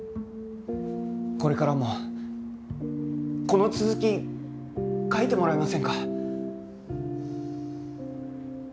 これからもこの続き書いてもらえませんか？